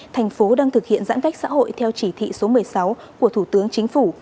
thành phố đang thực hiện giãn cách xã hội theo chỉ thị số một mươi sáu của thủ tướng chính phủ